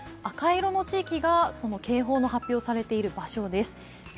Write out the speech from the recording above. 赤色の地域が警報の発表されている場所です。